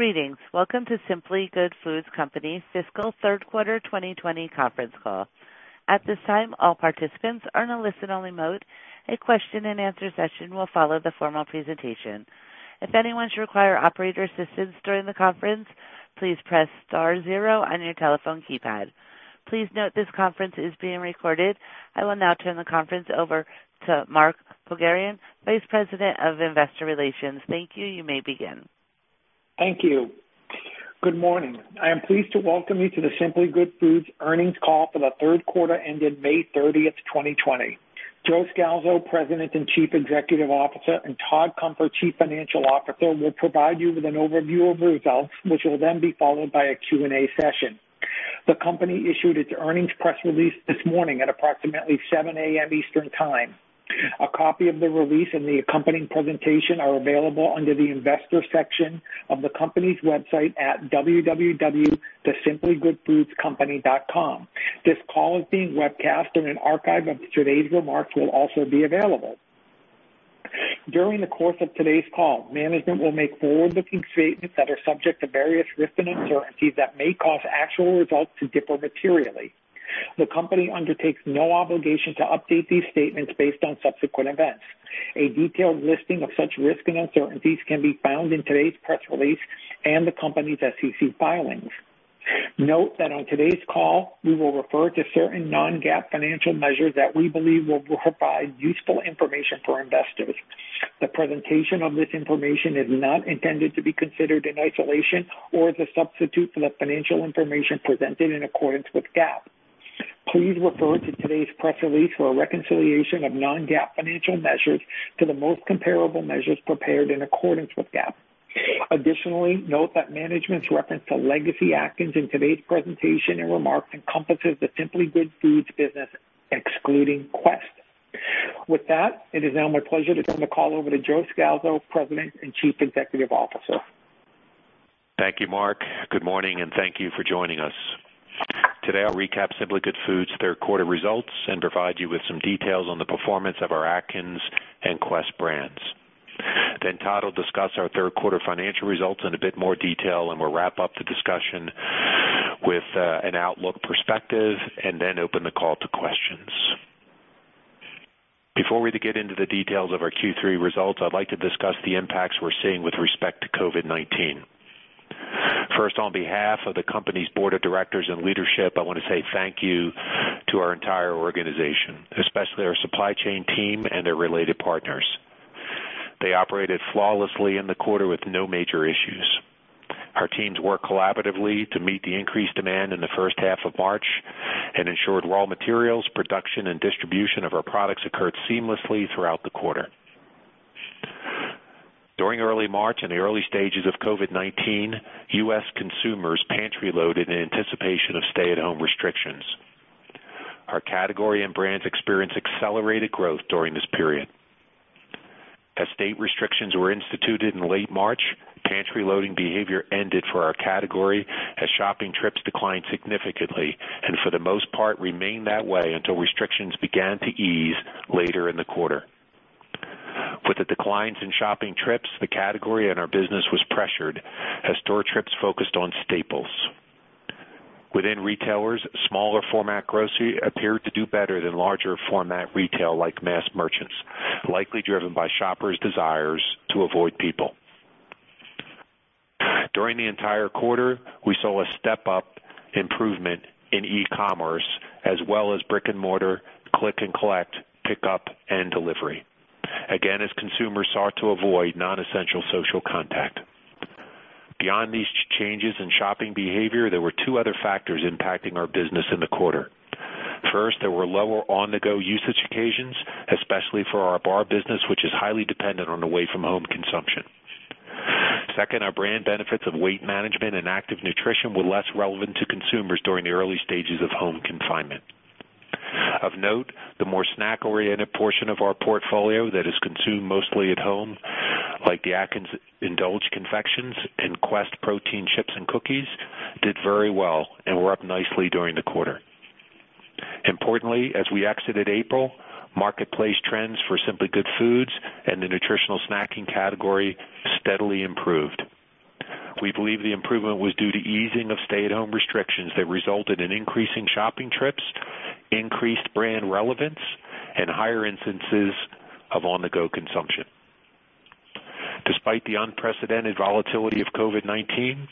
Greetings. Welcome to The Simply Good Foods Company's fiscal third quarter 2020 conference call. At this time, all participants are in a listen-only mode. A question and answer session will follow the formal presentation. If anyone should require operator assistance during the conference, please press star zero on your telephone keypad. Please note this conference is being recorded. I will now turn the conference over to Mark Pogharian, Vice President of Investor Relations. Thank you. You may begin. Thank you. Good morning. I am pleased to welcome you to the Simply Good Foods earnings call for the third quarter ended May 30th, 2020. Joe Scalzo, President and Chief Executive Officer, and Todd Cunfer, Chief Financial Officer, will provide you with an overview of results, which will then be followed by a Q&A session. The company issued its earnings press release this morning at approximately 7:00 A.M. Eastern Time. A copy of the release and the accompanying presentation are available under the investors section of the company's website at www.thesimplygoodfoodscompany.com. This call is being webcast, and an archive of today's remarks will also be available. During the course of today's call, management will make forward-looking statements that are subject to various risks and uncertainties that may cause actual results to differ materially. The company undertakes no obligation to update these statements based on subsequent events. A detailed listing of such risks and uncertainties can be found in today's press release and the company's SEC filings. Note that on today's call, we will refer to certain non-GAAP financial measures that we believe will provide useful information for investors. The presentation of this information is not intended to be considered in isolation or as a substitute for the financial information presented in accordance with GAAP. Please refer to today's press release for a reconciliation of non-GAAP financial measures to the most comparable measures prepared in accordance with GAAP. Additionally, note that management's reference to Legacy Atkins in today's presentation and remarks encompasses the Simply Good Foods business, excluding Quest. With that, it is now my pleasure to turn the call over to Joe Scalzo, President and Chief Executive Officer. Thank you, Mark. Good morning, thank you for joining us. Today, I'll recap Simply Good Foods' third quarter results and provide you with some details on the performance of our Atkins and Quest brands. Todd will discuss our third quarter financial results in a bit more detail, and we'll wrap up the discussion with an outlook perspective and then open the call to questions. Before we get into the details of our Q3 results, I'd like to discuss the impacts we're seeing with respect to COVID-19. First, on behalf of the company's board of directors and leadership, I want to say thank you to our entire organization, especially our supply chain team and their related partners. They operated flawlessly in the quarter with no major issues. Our teams worked collaboratively to meet the increased demand in the first half of March and ensured raw materials, production, and distribution of our products occurred seamlessly throughout the quarter. During early March and the early stages of COVID-19, U.S. consumers pantry loaded in anticipation of stay-at-home restrictions. Our category and brands experienced accelerated growth during this period. As state restrictions were instituted in late March, pantry loading behavior ended for our category as shopping trips declined significantly and for the most part remained that way until restrictions began to ease later in the quarter. With the declines in shopping trips, the category and our business was pressured as store trips focused on staples. Within retailers, smaller format grocery appeared to do better than larger format retail like mass merchants, likely driven by shoppers' desires to avoid people. During the entire quarter, we saw a step-up improvement in e-commerce as well as brick and mortar, click and collect, pickup, and delivery, again, as consumers sought to avoid non-essential social contact. Beyond these changes in shopping behavior, there were two other factors impacting our business in the quarter. First, there were lower on-the-go usage occasions, especially for our bar business, which is highly dependent on away-from-home consumption. Second, our brand benefits of weight management and active nutrition were less relevant to consumers during the early stages of home confinement. Of note, the more snack-oriented portion of our portfolio that is consumed mostly at home, like the Atkins Endulge confections and Quest Protein Chips and cookies, did very well and were up nicely during the quarter. Importantly, as we exited April, marketplace trends for Simply Good Foods and the nutritional snacking category steadily improved. We believe the improvement was due to easing of stay-at-home restrictions that resulted in increasing shopping trips, increased brand relevance, and higher instances of on-the-go consumption. Despite the unprecedented volatility of COVID-19,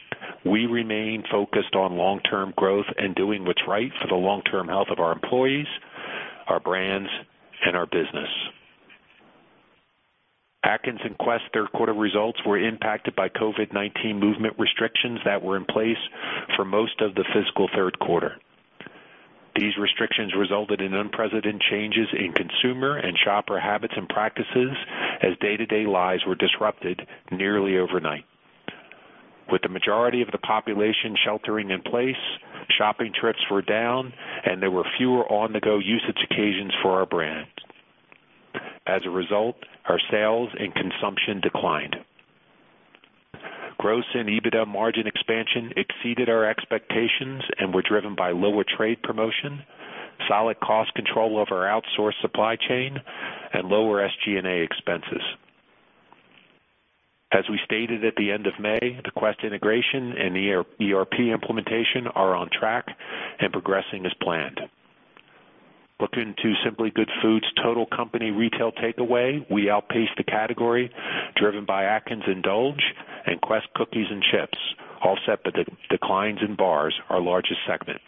we remain focused on long-term growth and doing what's right for the long-term health of our employees, our brands, and our business. Atkins and Quest third quarter results were impacted by COVID-19 movement restrictions that were in place for most of the fiscal third quarter. These restrictions resulted in unprecedented changes in consumer and shopper habits and practices as day-to-day lives were disrupted nearly overnight. With the majority of the population sheltering in place, shopping trips were down, and there were fewer on-the-go usage occasions for our brands. As a result, our sales and consumption declined. Gross and EBITDA margin expansion exceeded our expectations and were driven by lower trade promotion, solid cost control over our outsourced supply chain and lower SG&A expenses. As we stated at the end of May, the Quest integration and the ERP implementation are on track and progressing as planned. Looking to Simply Good Foods' total company retail takeaway, we outpaced the category driven by Atkins Endulge and Quest cookies and chips, offset by declines in bars, our largest segment.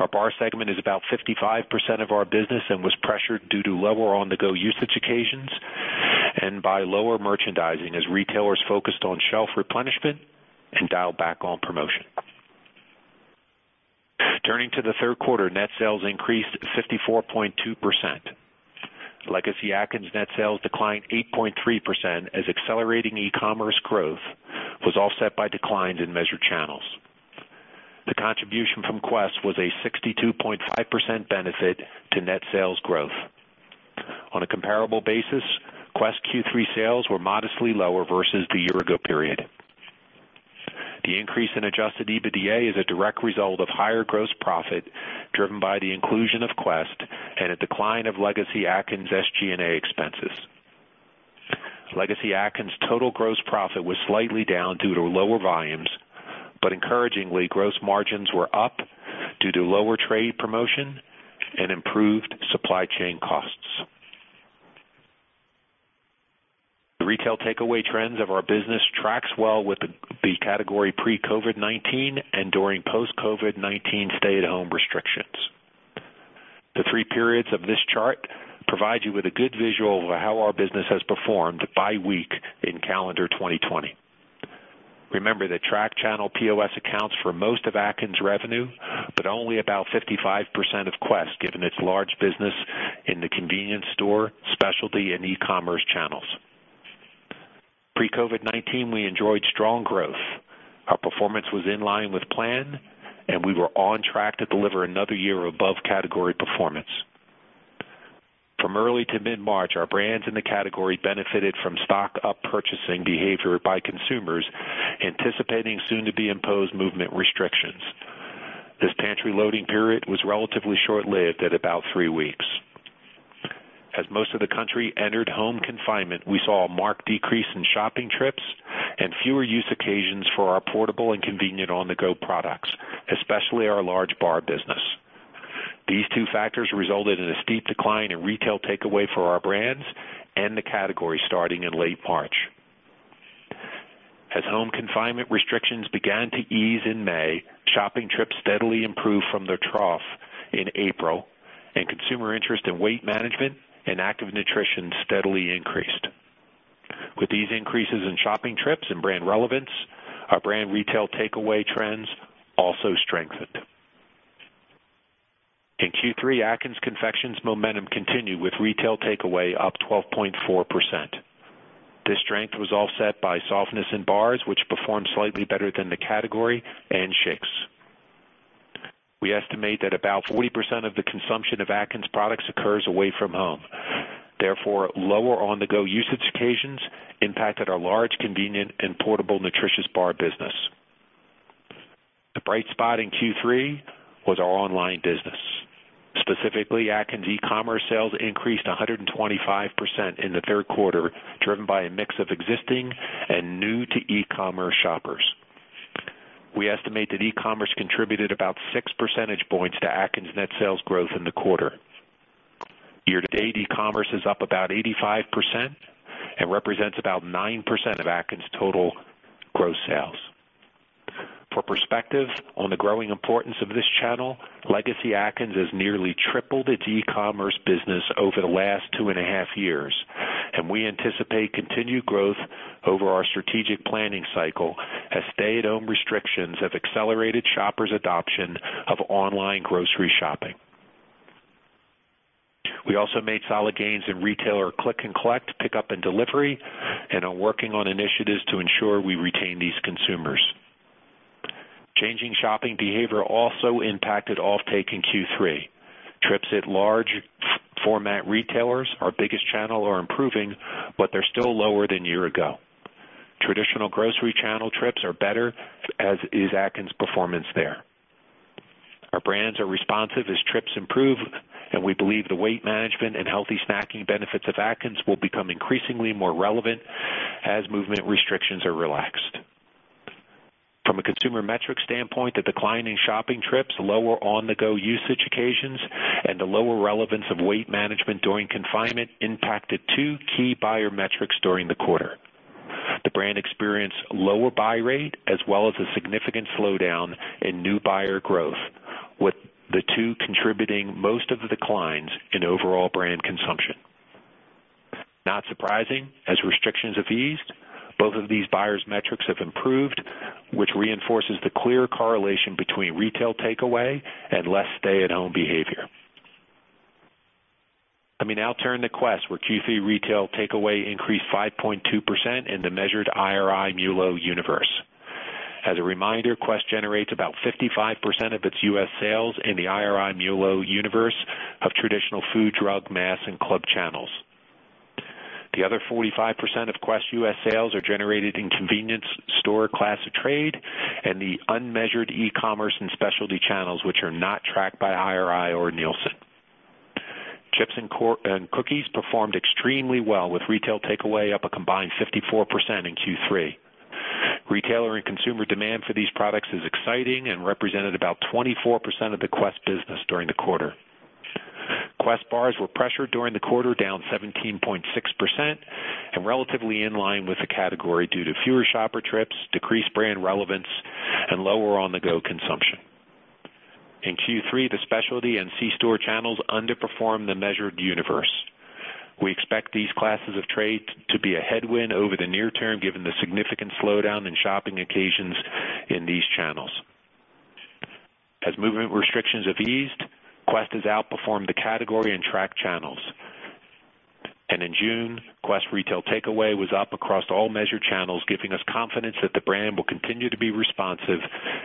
Our bar segment is about 55% of our business and was pressured due to lower on-the-go usage occasions and by lower merchandising as retailers focused on shelf replenishment and dialed back on promotion. Turning to the third quarter, net sales increased 54.2%. Legacy Atkins net sales declined 8.3% as accelerating e-commerce growth was offset by declines in measured channels. The contribution from Quest was a 62.5% benefit to net sales growth. On a comparable basis, Quest Q3 sales were modestly lower versus the year-ago period. The increase in adjusted EBITDA is a direct result of higher gross profit driven by the inclusion of Quest and a decline of Legacy Atkins SG&A expenses. Legacy Atkins' total gross profit was slightly down due to lower volumes, but encouragingly, gross margins were up due to lower trade promotion and improved supply chain costs. The retail takeaway trends of our business tracks well with the category pre-COVID-19 and during post-COVID-19 stay-at-home restrictions. The three periods of this chart provide you with a good visual of how our business has performed by week in calendar 2020. Remember that track channel POS accounts for most of Atkins' revenue, but only about 55% of Quest, given its large business in the convenience store, specialty, and e-commerce channels. Pre-COVID-19, we enjoyed strong growth. Our performance was in line with plan, and we were on track to deliver another year of above-category performance. From early to mid-March, our brands in the category benefited from stock-up purchasing behavior by consumers anticipating soon-to-be-imposed movement restrictions. This pantry-loading period was relatively short-lived at about three weeks. As most of the country entered home confinement, we saw a marked decrease in shopping trips and fewer use occasions for our portable and convenient on-the-go products, especially our large bar business. These two factors resulted in a steep decline in retail takeaway for our brands and the category starting in late March. As home confinement restrictions began to ease in May, shopping trips steadily improved from their trough in April, and consumer interest in weight management and active nutrition steadily increased. With these increases in shopping trips and brand relevance, our brand retail takeaway trends also strengthened. In Q3, Atkins Confections' momentum continued with retail takeaway up 12.4%. This strength was offset by softness in bars, which performed slightly better than the category and shakes. We estimate that about 40% of the consumption of Atkins products occurs away from home. Lower on-the-go usage occasions impacted our large, convenient, and portable nutritious bar business. The bright spot in Q3 was our online business. Specifically, Atkins e-commerce sales increased 125% in the third quarter, driven by a mix of existing and new-to-e-commerce shoppers. We estimate that e-commerce contributed about six percentage points to Atkins' net sales growth in the quarter. Year-to-date, e-commerce is up about 85% and represents about 9% of Atkins' total gross sales. For perspective on the growing importance of this channel, Legacy Atkins has nearly tripled its e-commerce business over the last two and a half years, and we anticipate continued growth over our strategic planning cycle as stay-at-home restrictions have accelerated shoppers' adoption of online grocery shopping. We also made solid gains in retailer click and collect, pickup and delivery and are working on initiatives to ensure we retain these consumers. Changing shopping behavior also impacted offtake in Q3. Trips at large format retailers, our biggest channel, are improving, but they're still lower than year ago. Traditional grocery channel trips are better, as is Atkins' performance there. Our brands are responsive as trips improve, and we believe the weight management and healthy snacking benefits of Atkins will become increasingly more relevant as movement restrictions are relaxed. From a consumer metric standpoint, the decline in shopping trips, lower on-the-go usage occasions, and the lower relevance of weight management during confinement impacted two key buyer metrics during the quarter. The brand experienced lower buy rate as well as a significant slowdown in new buyer growth, with the two contributing most of the declines in overall brand consumption. Not surprising, as restrictions have eased, both of these buyers' metrics have improved, which reinforces the clear correlation between retail takeaway and less stay-at-home behavior. Let me now turn to Quest, where Q3 retail takeaway increased 5.2% in the measured IRI MULO universe. As a reminder, Quest generates about 55% of its U.S. sales in the IRI MULO universe of traditional food, drug, mass, and club channels. The other 45% of Quest U.S. sales are generated in convenience store class of trade and the unmeasured e-commerce and specialty channels, which are not tracked by IRI or Nielsen. Chips and cookies performed extremely well, with retail takeaway up a combined 54% in Q3. Retailer and consumer demand for these products is exciting and represented about 24% of the Quest business during the quarter. Quest bars were pressured during the quarter, down 17.6%, and relatively in line with the category due to fewer shopper trips, decreased brand relevance, and lower on-the-go consumption. In Q3, the specialty and c-store channels underperformed the measured universe. We expect these classes of trade to be a headwind over the near term, given the significant slowdown in shopping occasions in these channels. As movement restrictions have eased, Quest has outperformed the category and tracked channels. In June, Quest retail takeaway was up across all measured channels, giving us confidence that the brand will continue to be responsive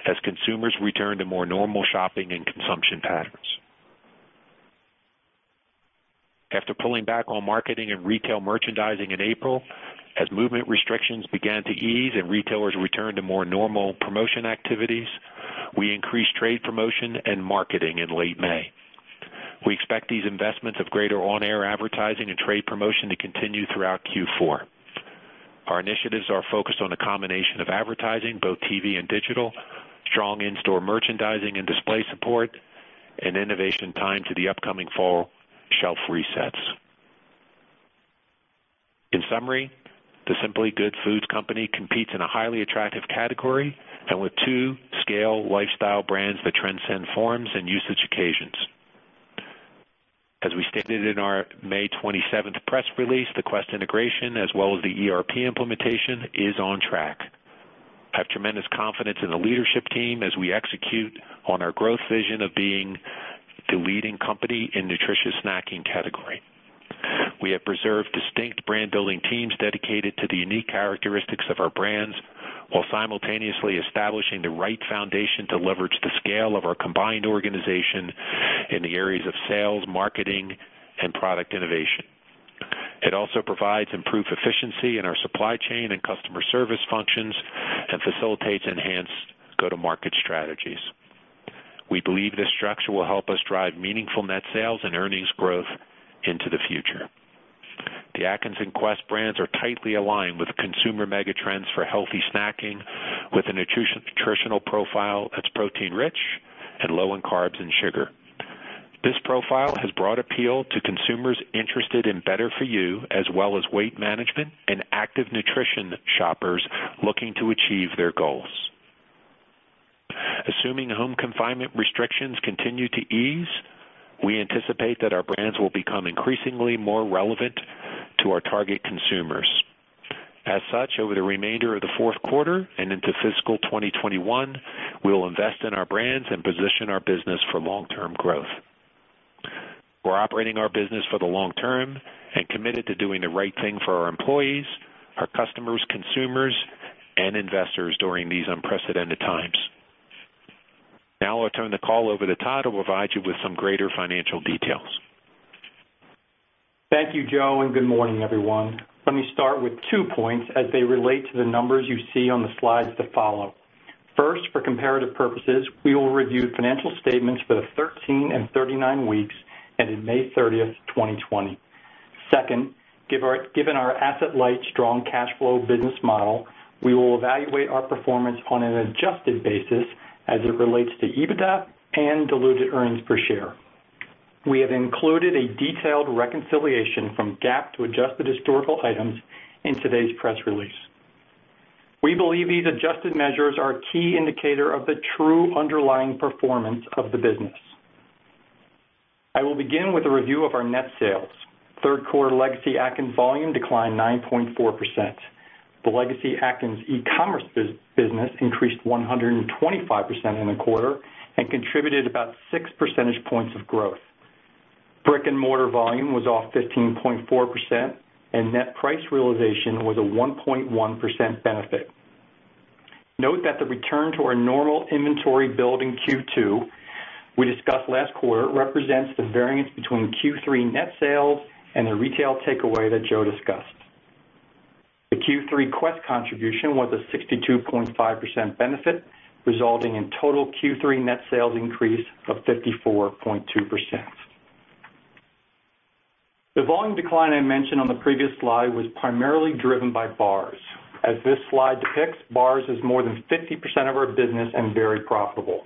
as consumers return to more normal shopping and consumption patterns. After pulling back on marketing and retail merchandising in April, as movement restrictions began to ease and retailers returned to more normal promotion activities, we increased trade promotion and marketing in late May. We expect these investments of greater on-air advertising and trade promotion to continue throughout Q4. Our initiatives are focused on a combination of advertising, both TV and digital, strong in-store merchandising and display support, and innovation timed to the upcoming fall shelf resets. In summary, The Simply Good Foods Company competes in a highly attractive category and with two scale lifestyle brands that transcend forms and usage occasions. As we stated in our May 27th press release, the Quest integration, as well as the ERP implementation, is on track. I have tremendous confidence in the leadership team as we execute on our growth vision of being the leading company in nutritious snacking category. We have preserved distinct brand-building teams dedicated to the unique characteristics of our brands, while simultaneously establishing the right foundation to leverage the scale of our combined organization in the areas of sales, marketing, and product innovation. It also provides improved efficiency in our supply chain and customer service functions and facilitates enhanced go-to-market strategies. We believe this structure will help us drive meaningful net sales and earnings growth into the future. The Atkins and Quest brands are tightly aligned with consumer mega trends for healthy snacking with a nutritional profile that's protein rich and low in carbs and sugar. This profile has broad appeal to consumers interested in better for you, as well as weight management and active nutrition shoppers looking to achieve their goals. Assuming home confinement restrictions continue to ease, we anticipate that our brands will become increasingly more relevant to our target consumers. As such, over the remainder of the fourth quarter and into fiscal 2021, we will invest in our brands and position our business for long-term growth. We're operating our business for the long term and committed to doing the right thing for our employees, our customers, consumers, and investors during these unprecedented times. Now I'll turn the call over to Todd, who will provide you with some greater financial details. Thank you, Joe, and good morning, everyone. Let me start with two points as they relate to the numbers you see on the slides that follow. First, for comparative purposes, we will review financial statements for the 13 and 39 weeks ended May 30th, 2020. Second, given our asset-light, strong cash flow business model, we will evaluate our performance on an adjusted basis as it relates to EBITDA and diluted earnings per share. We have included a detailed reconciliation from GAAP to adjusted historical items in today's press release. We believe these adjusted measures are a key indicator of the true underlying performance of the business. I will begin with a review of our net sales. third quarter Legacy Atkins volume declined 9.4%. The Legacy Atkins e-commerce business increased 125% in the quarter and contributed about six percentage points of growth. Brick-and-mortar volume was off 15.4%. Net price realization was a 1.1% benefit. Note that the return to our normal inventory build in Q2 we discussed last quarter represents the variance between Q3 net sales and the retail takeaway that Joe discussed. The Q3 Quest contribution was a 62.5% benefit, resulting in total Q3 net sales increase of 54.2%. The volume decline I mentioned on the previous slide was primarily driven by bars. As this slide depicts, bars is more than 50% of our business and very profitable.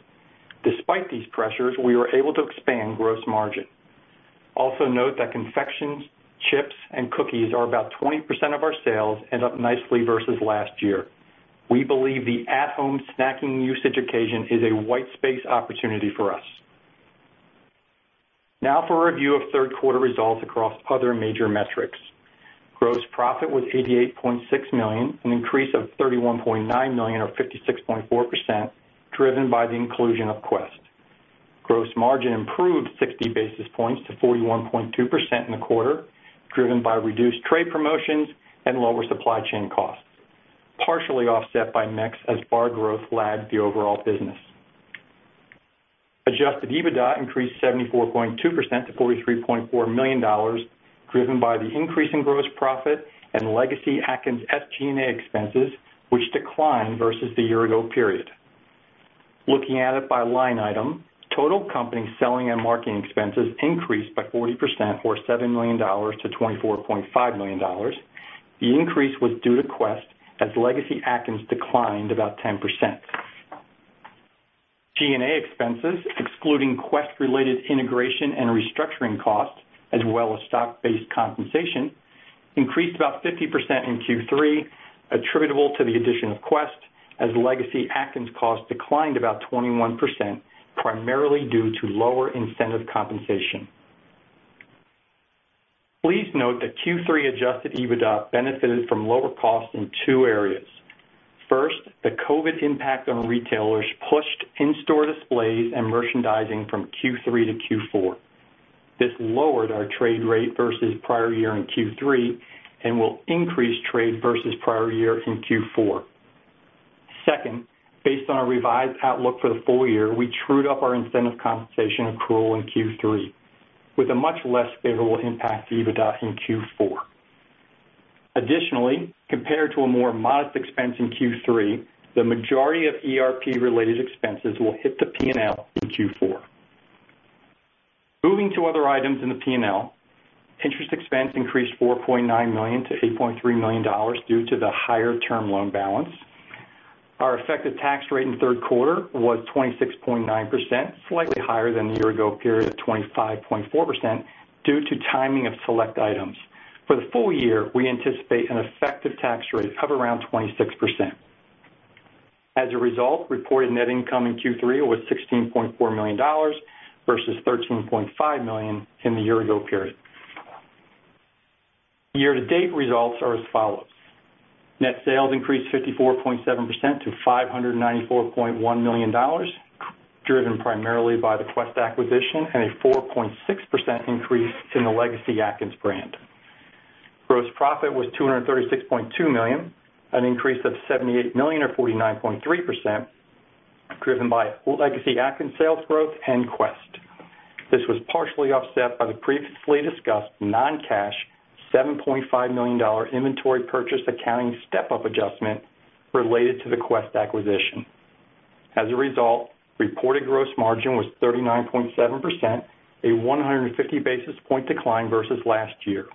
Despite these pressures, we were able to expand gross margin. Note that confections, chips, and cookies are about 20% of our sales and up nicely versus last year. We believe the at-home snacking usage occasion is a white space opportunity for us. For a review of third quarter results across other major metrics. Gross profit was $88.6 million, an increase of $31.9 million or 56.4%, driven by the inclusion of Quest. Gross margin improved 60 basis points to 41.2% in the quarter, driven by reduced trade promotions and lower supply chain costs, partially offset by mix as bar growth lagged the overall business. Adjusted EBITDA increased 74.2% to $43.4 million, driven by the increase in gross profit and Legacy Atkins SG&A expenses, which declined versus the year ago period. Looking at it by line item, total company selling and marketing expenses increased by 40% or $7 million to $24.5 million. The increase was due to Quest, as Legacy Atkins declined about 10%. G&A expenses, excluding Quest-related integration and restructuring costs, as well as stock-based compensation, increased about 50% in Q3, attributable to the addition of Quest, as Legacy Atkins costs declined about 21%, primarily due to lower incentive compensation. Please note that Q3 adjusted EBITDA benefited from lower costs in two areas. First, the COVID impact on retailers pushed in-store displays and merchandising from Q3 to Q4. This lowered our trade rate versus prior year in Q3 and will increase trade versus prior year in Q4. Second, based on our revised outlook for the full year, we trued up our incentive compensation accrual in Q3 with a much less favorable impact to EBITDA in Q4. Additionally, compared to a more modest expense in Q3, the majority of ERP-related expenses will hit the P&L in Q4. Moving to other items in the P&L, interest expense increased $4.9 million to $8.3 million due to the higher term loan balance. Our effective tax rate in the third quarter was 26.9%, slightly higher than the year ago period of 25.4% due to timing of select items. For the full year, we anticipate an effective tax rate of around 26%. As a result, reported net income in Q3 was $16.4 million versus $13.5 million in the year ago period. Year to date results are as follows. Net sales increased 54.7% to $594.1 million, driven primarily by the Quest acquisition and a 4.6% increase in the Legacy Atkins brand. Gross profit was $236.2 million, an increase of $78 million or 49.3%, driven by Legacy Atkins sales growth and Quest. This was partially offset by the previously discussed non-cash $7.5 million inventory purchase accounting step-up adjustment related to the Quest acquisition. As a result, reported gross margin was 39.7%, a 150 basis point decline versus last year.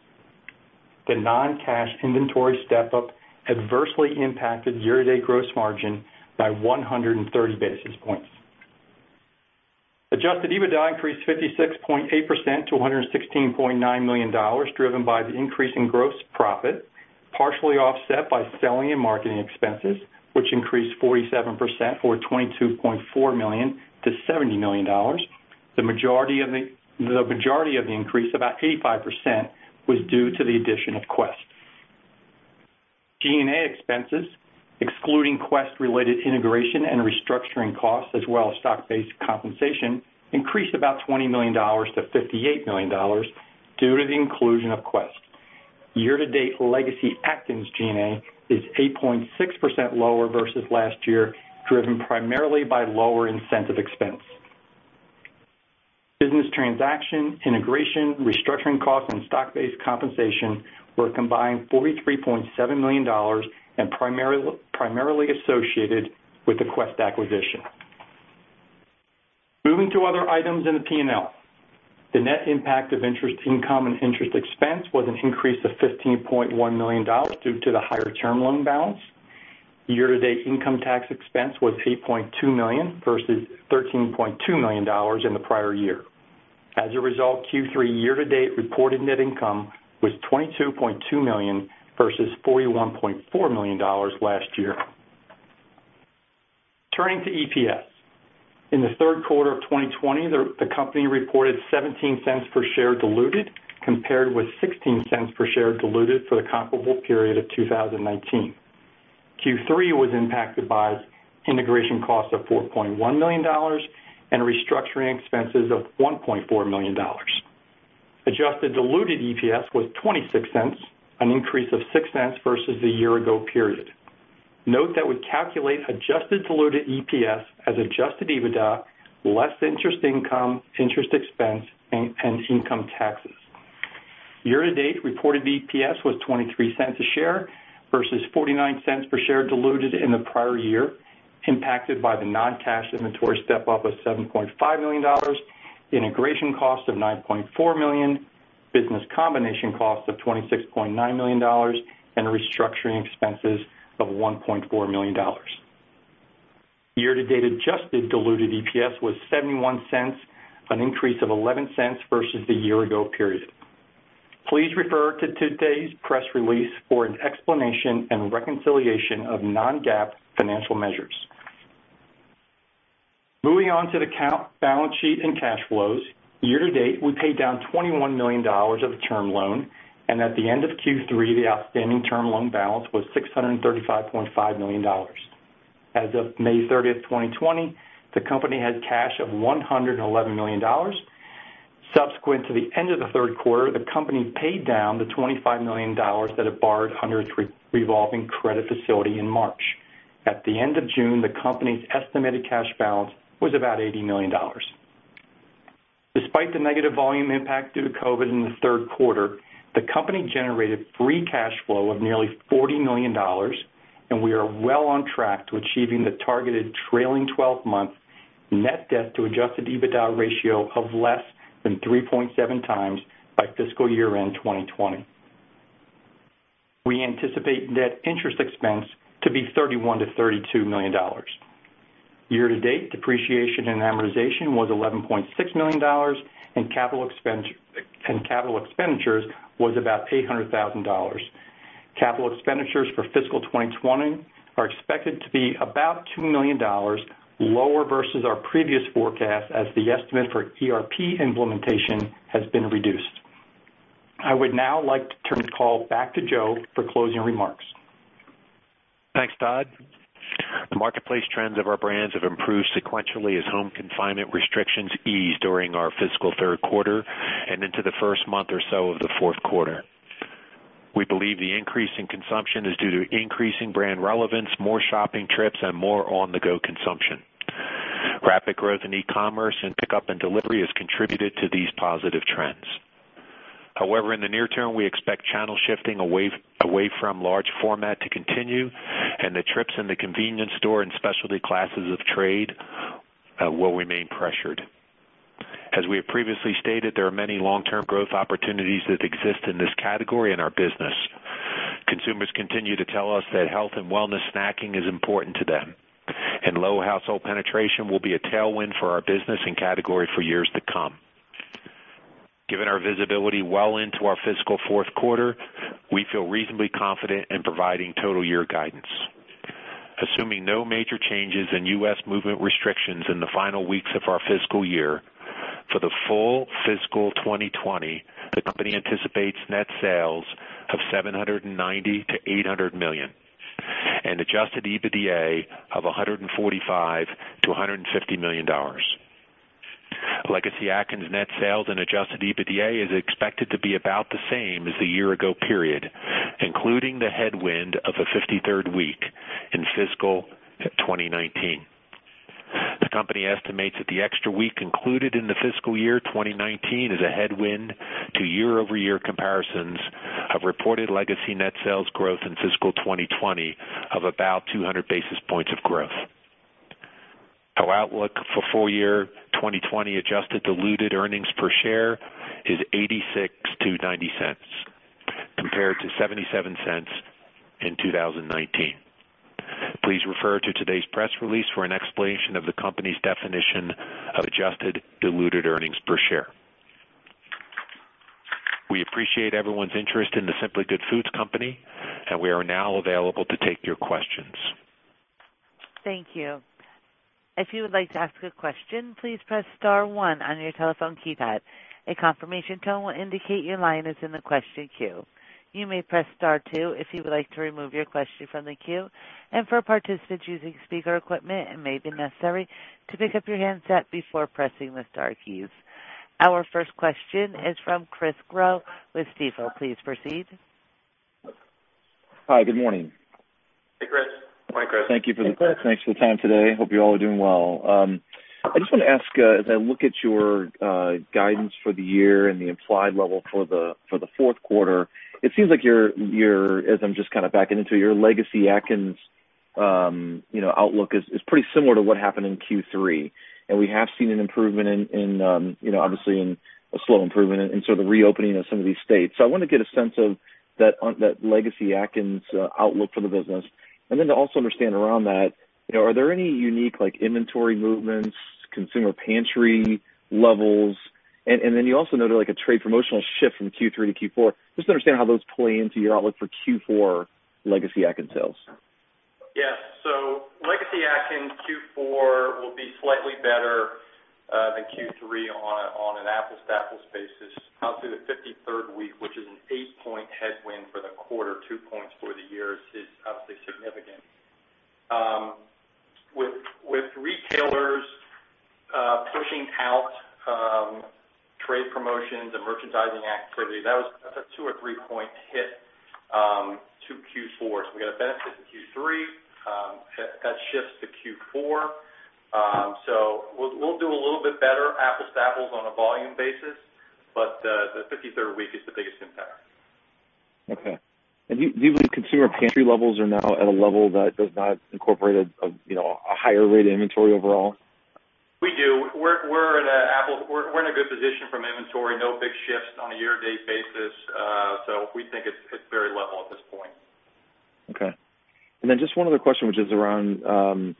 The non-cash inventory step-up adversely impacted year to date gross margin by 130 basis points. Adjusted EBITDA increased 56.8% to $116.9 million, driven by the increase in gross profit, partially offset by selling and marketing expenses, which increased 47% or $22.4 million to $70 million. The majority of the increase, about 85%, was due to the addition of Quest. G&A expenses, excluding Quest-related integration and restructuring costs, as well as stock-based compensation, increased about $20 million to $58 million due to the inclusion of Quest. Year-to-date, Legacy Atkins G&A is 8.6% lower versus last year, driven primarily by lower incentive expense. Business transaction, integration, restructuring costs, and stock-based compensation were a combined $43.7 million and primarily associated with the Quest acquisition. Moving to other items in the P&L. The net impact of interest income and interest expense was an increase of $15.1 million due to the higher term loan balance. Year-to-date income tax expense was $3.2 million versus $13.2 million in the prior year. As a result, Q3 year-to-date reported net income was $22.2 million versus $41.4 million last year. Turning to EPS. In the third quarter of 2020, the company reported $0.17 per share diluted compared with $0.16 per share diluted for the comparable period of 2019. Q3 was impacted by integration costs of $4.1 million and restructuring expenses of $1.4 million. Adjusted diluted EPS was $0.26, an increase of $0.06 versus the year-ago period. Note that we calculate adjusted diluted EPS as adjusted EBITDA, less interest income, interest expense, and income taxes. Year to date reported EPS was $0.23 a share versus $0.49 per share diluted in the prior year, impacted by the non-cash inventory step-up of $7.5 million, integration costs of $9.4 million, business combination costs of $26.9 million and restructuring expenses of $1.4 million. Year to date adjusted diluted EPS was $0.71, an increase of $0.11 versus the year ago period. Please refer to today's press release for an explanation and reconciliation of non-GAAP financial measures. Moving on to the balance sheet and cash flows. Year to date, we paid down $21 million of the term loan, and at the end of Q3, the outstanding term loan balance was $635.5 million. As of May 30th, 2020, the company had cash of $111 million. Subsequent to the end of the third quarter, the company paid down the $25 million that it borrowed under its revolving credit facility in March. At the end of June, the company's estimated cash balance was about $80 million. Despite the negative volume impact due to COVID in the third quarter, the company generated free cash flow of nearly $40 million, and we are well on track to achieving the targeted trailing 12-month net debt to adjusted EBITDA ratio of less than 3.7 times by fiscal year-end 2020. We anticipate net interest expense to be $31 million-$32 million. Year to date, depreciation and amortization was $11.6 million, and capital expenditures was about $800,000. Capital expenditures for fiscal 2020 are expected to be about $2 million lower versus our previous forecast, as the estimate for ERP implementation has been reduced. I would now like to turn the call back to Joe for closing remarks. Thanks, Todd. The marketplace trends of our brands have improved sequentially as home confinement restrictions eased during our fiscal third quarter and into the first month or so of the fourth quarter. We believe the increase in consumption is due to increasing brand relevance, more shopping trips, and more on-the-go consumption. Rapid growth in e-commerce and pickup and delivery has contributed to these positive trends. However, in the near term, we expect channel shifting away from large format to continue, and the trips in the convenience store and specialty classes of trade will remain pressured. As we have previously stated, there are many long-term growth opportunities that exist in this category in our business. Consumers continue to tell us that health and wellness snacking is important to them, and low household penetration will be a tailwind for our business and category for years to come. Given our visibility well into our fiscal fourth quarter, we feel reasonably confident in providing total year guidance. Assuming no major changes in U.S. movement restrictions in the final weeks of our fiscal year, for the full fiscal 2020, the company anticipates net sales of $790 million-$800 million and adjusted EBITDA of $145 million-$150 million. Legacy Atkins net sales and adjusted EBITDA is expected to be about the same as the year ago period, including the headwind of a 53rd week in fiscal 2019. The company estimates that the extra week included in the fiscal year 2019 is a headwind to year-over-year comparisons of reported Legacy Atkins net sales growth in fiscal 2020 of about 200 basis points of growth. Our outlook for full year 2020 adjusted diluted earnings per share is $0.86-$0.90, compared to $0.77 in 2019. Please refer to today's press release for an explanation of the company's definition of adjusted diluted earnings per share. We appreciate everyone's interest in The Simply Good Foods Company, and we are now available to take your questions. Thank you. If you would like to ask a question, please press star one on your telephone keypad. A confirmation tone will indicate your line is in the question queue. You may press star two if you would like to remove your question from the queue. For participants using speaker equipment, it may be necessary to pick up your handset before pressing the star keys. Our first question is from Chris Growe with Stifel. Please proceed. Hi, good morning. Hey, Chris. Morning, Chris. Thank you for the time today. Hope you're all doing well. I just want to ask, as I look at your guidance for the year and the implied level for the fourth quarter, it seems like your, as I'm just kind of backing into it, your Legacy Atkins outlook is pretty similar to what happened in Q3, and we have seen an improvement in, obviously in a slow improvement in sort of the reopening of some of these states. I want to get a sense of that Legacy Atkins outlook for the business. To also understand around that, are there any unique inventory movements, consumer pantry levels? You also noted a trade promotional shift from Q3 to Q4. Just to understand how those play into your outlook for Q4 Legacy Atkins sales. Yes. Legacy Atkins Q4 will be slightly better than Q3 on an apples to apples basis. Obviously, the 53rd week, which is an eight-point headwind for the quarter, two points for the year, is obviously significant. With retailers pushing out trade promotions and merchandising activity, that's a two or three-point hit to Q4. That shifts to Q4. We got a benefit to Q3. That shifts to Q4. We'll do a little bit better apples to apples on a volume basis, but the 53rd week is the biggest impact. Okay. Do you believe consumer pantry levels are now at a level that does not incorporate a higher rate of inventory overall? We do. We're in a good position from inventory. No big shifts on a year-to-date basis. We think it's very level at this point. Okay. Just one other question, which is around the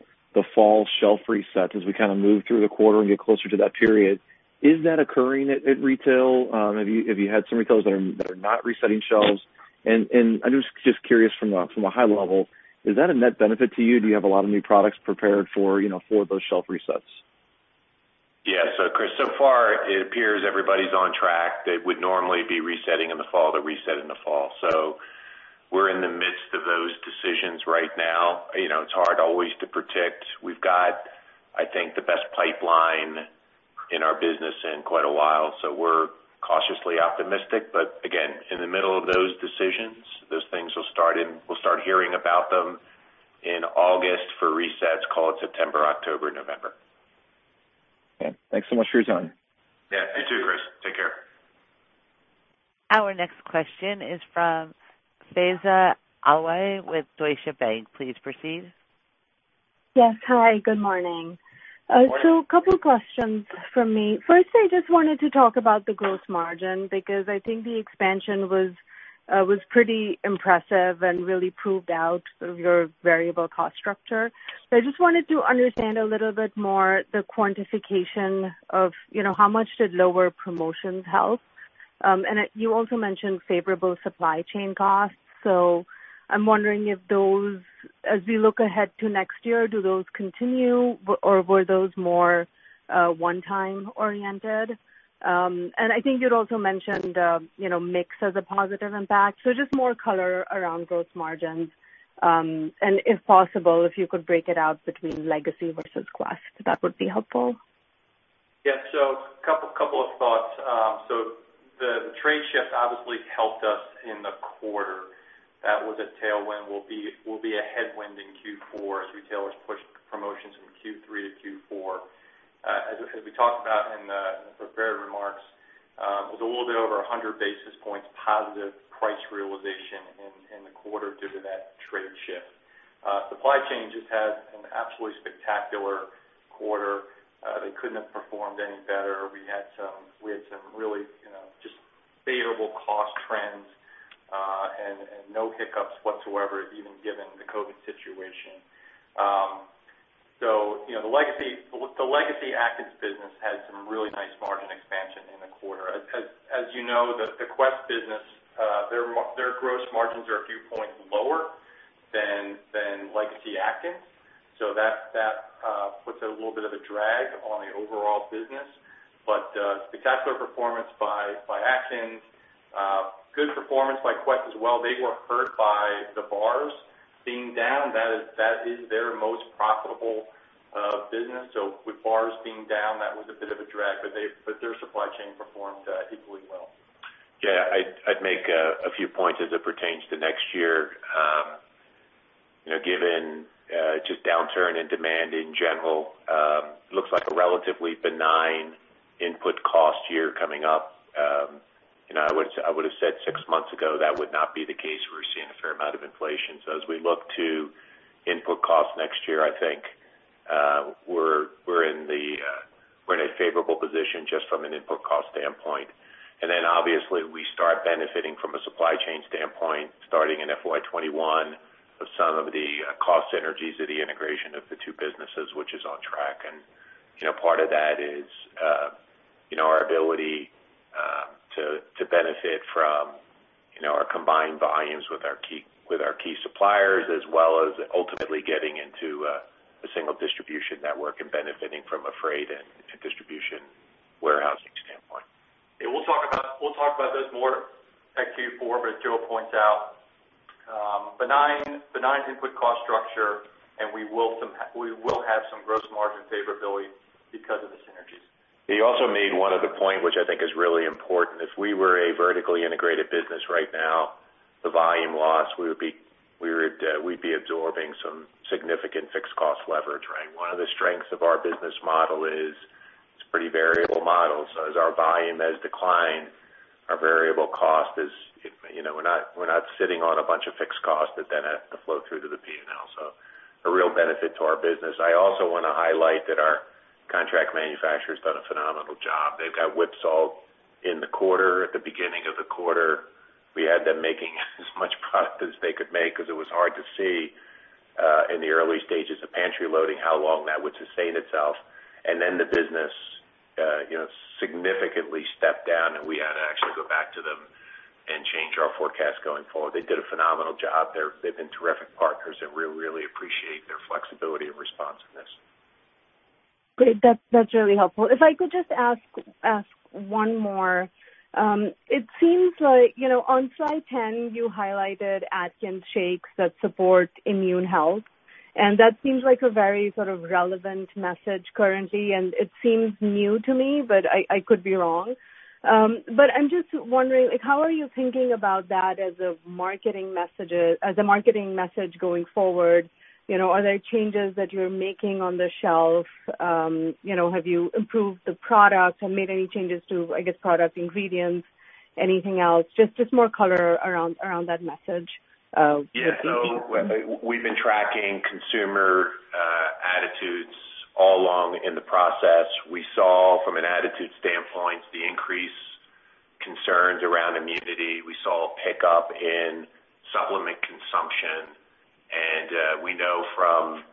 fall shelf resets as we kind of move through the quarter and get closer to that period. Is that occurring at retail? Have you had some retailers that are not resetting shelves? I'm just curious from a high level, is that a net benefit to you? Do you have a lot of new products prepared for those shelf resets? Yeah. Chris, so far it appears everybody's on track. They would normally be resetting in the fall, they'll reset in the fall. We're in the midst of those decisions right now. It's hard always to predict. We've got, I think, the best pipeline in our business in quite a while, so we're cautiously optimistic. Again, in the middle of those decisions, those things we'll start hearing about them in August for resets, call it September, October, November. Okay. Thanks so much for your time. Yeah. You too, Chris. Take care. Our next question is from Faiza Alwy with Deutsche Bank. Please proceed. Yes. Hi, good morning. Morning. A couple questions from me. First, I just wanted to talk about the gross margin, because I think the expansion was pretty impressive and really proved out your variable cost structure. I just wanted to understand a little bit more the quantification of how much did lower promotions help. You also mentioned favorable supply chain costs. I'm wondering if those, as we look ahead to next year, do those continue or were those more one-time oriented? I think you'd also mentioned mix as a positive impact, so just more color around gross margins. If possible, if you could break it out between Legacy versus Quest, that would be helpful. A couple of thoughts. The trade shift obviously helped us in the quarter. That was a tailwind. Will be a headwind in Q4 as retailers push promotions from Q3 to Q4. As we talked about in the prepared remarks, it was a little bit over 100 basis points positive price realization in the quarter due to that trade shift. Supply chain just had an absolutely spectacular quarter. They couldn't have performed any better. We had some really just favorable cost trends, and no hiccups whatsoever, even given the COVID-19 situation. The Legacy Atkins business had some really nice margin expansion in the quarter. As you know, the Quest business, their gross margins are a few points lower than Legacy Atkins. That puts a little bit of a drag on the overall business. Spectacular performance by Atkins. Good performance by Quest as well. They were hurt by the bars being down. That is their most profitable business. With bars being down, that was a bit of a drag, but their supply chain performed equally well. Yeah, I'd make a few points as it pertains to next year. Given just downturn in demand in general, looks like a relatively benign input cost year coming up. I would've said six months ago, that would not be the case. We were seeing a fair amount of inflation. As we look to input costs next year, I think we're in a favorable position just from an input cost standpoint. Obviously we start benefiting from a supply chain standpoint, starting in FY 2021, of some of the cost synergies of the integration of the two businesses, which is on track. Part of that is our ability to benefit from our combined volumes with our key suppliers, as well as ultimately getting into a single distribution network and benefiting from a freight and distribution warehousing standpoint. Yeah, we'll talk about this more at Q4, but as Joe points out, benign input cost structure, and we will have some gross margin favorability because of the synergies. He also made one other point, which I think is really important. If we were a vertically integrated business right now, the volume loss, we'd be absorbing some significant fixed cost leverage, right? One of the strengths of our business model is it's a pretty variable model. As our volume has declined, our variable cost is, we're not sitting on a bunch of fixed costs that then have to flow through to the P&L. A real benefit to our business. I also want to highlight that our contract manufacturer's done a phenomenal job. They've got whipsawed in the quarter. At the beginning of the quarter, we had them making as much product as they could make because it was hard to see, in the early stages of pantry loading, how long that would sustain itself. The business significantly stepped down and we had to actually go back to them and change our forecast going forward. They did a phenomenal job. They’ve been terrific partners and we really appreciate their flexibility and responsiveness. Great. That's really helpful. If I could just ask one more. It seems like on slide 10, you highlighted Atkins shakes that support immune health, and that seems like a very relevant message currently, and it seems new to me, but I could be wrong. I'm just wondering, how are you thinking about that as a marketing message going forward? Are there changes that you're making on the shelf? Have you improved the product or made any changes to, I guess, product ingredients? Anything else? Just more color around that message would be great. Yeah. We've been tracking consumer attitudes all along in the process. We saw from an attitude standpoint, the increased concerns around immunity. We saw a pickup in supplement consumption, and we know from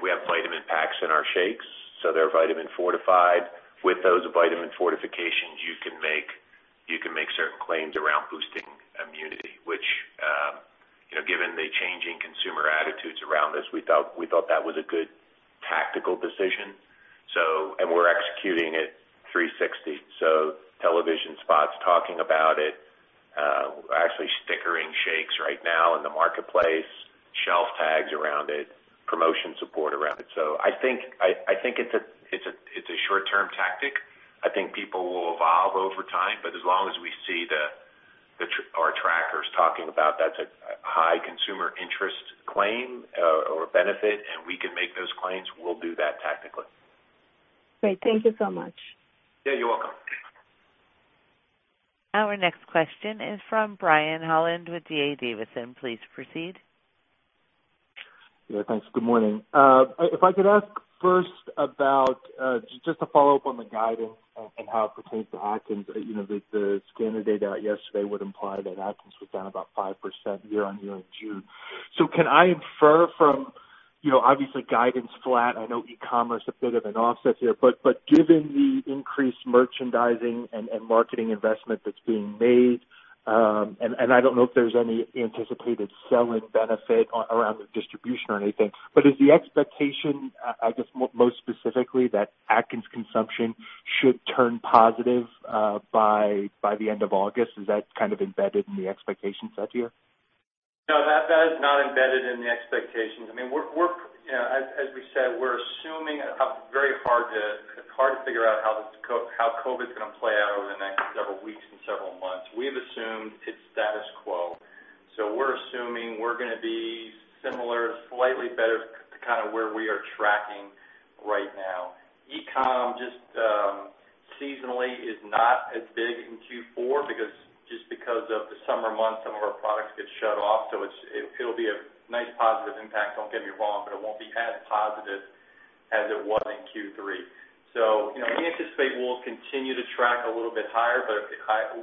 We have vitamin packs in our shakes, so they're vitamin fortified. With those vitamin fortifications, you can make certain claims around boosting immunity, which. around this. We thought that was a good tactical decision. We're executing it 360. Television spots talking about it, actually stickering shakes right now in the marketplace, shelf tags around it, promotion support around it. I think it's a short-term tactic. I think people will evolve over time, but as long as we see our trackers talking about that's a high consumer interest claim or benefit, and we can make those claims, we'll do that tactically. Great. Thank you so much. Yeah, you're welcome. Our next question is from Brian Holland with D.A. Davidson. Please proceed. Yeah, thanks. Good morning. If I could ask first about, just to follow up on the guidance and how it pertains to Atkins. The scanner data out yesterday would imply that Atkins was down about 5% year-over-year in June. Can I infer from, obviously guidance flat, I know e-commerce a bit of an offset here, but given the increased merchandising and marketing investment that's being made, and I don't know if there's any anticipated selling benefit around the distribution or anything, but is the expectation, I guess most specifically, that Atkins consumption should turn positive by the end of August? Is that kind of embedded in the expectation set here? No, that is not embedded in the expectations. As we said, it's hard to figure out how COVID's gonna play out over the next several weeks and several months. We've assumed it's status quo, we're assuming we're gonna be similar, slightly better to where we are tracking right now. E-com just seasonally is not as big in Q4 just because of the summer months, some of our products get shut off, it'll be a nice positive impact, don't get me wrong, but it won't be as positive as it was in Q3. We anticipate we'll continue to track a little bit higher, but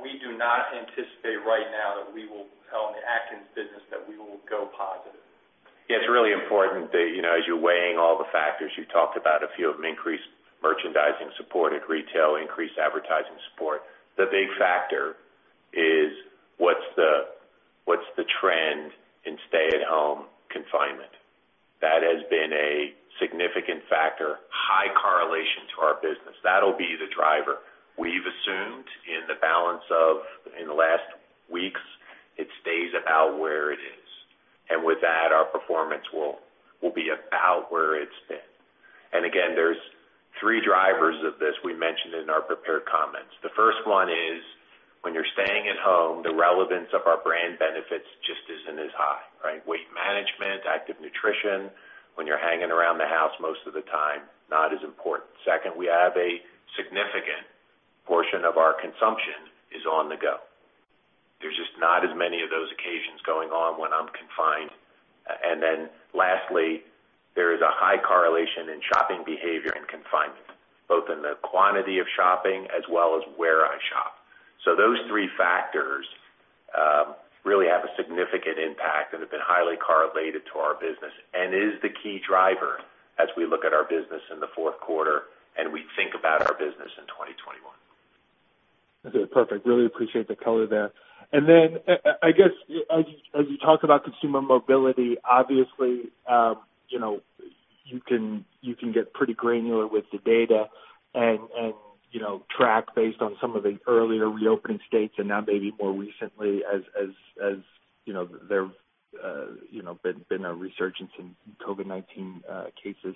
we do not anticipate right now that in the Atkins business, that we will go positive. Yeah, it's really important that as you're weighing all the factors you talked about, a few of them increased merchandising support at retail, increased advertising support. The big factor is what's the trend in stay-at-home confinement? That has been a significant factor, high correlation to our business. That'll be the driver. We've assumed in the last weeks, it stays about where it is. With that, our performance will be about where it's been. Again, there's three drivers of this we mentioned in our prepared comments. The first one is when you're staying at home, the relevance of our brand benefits just isn't as high. Right? Weight management, active nutrition, when you're hanging around the house most of the time, not as important. Second, we have a significant portion of our consumption is on the go. There's just not as many of those occasions going on when I'm confined. Lastly, there is a high correlation in shopping behavior and confinement, both in the quantity of shopping as well as where I shop. Those three factors really have a significant impact and have been highly correlated to our business and is the key driver as we look at our business in the fourth quarter and we think about our business in 2021. Okay, perfect. Really appreciate the color there. I guess as you talk about consumer mobility, obviously, you can get pretty granular with the data and track based on some of the earlier reopening states and now maybe more recently as there's been a resurgence in COVID-19 cases.